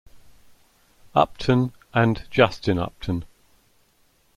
Upton, and Justin Upton.